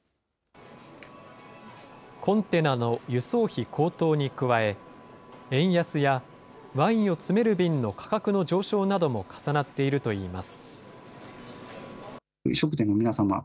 コンテナの輸送費高騰に加え、円安やワインを詰める瓶の価格の上昇なども重なっているといいます。